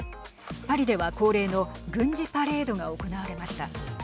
パリでは、恒例の軍事パレードが行われました。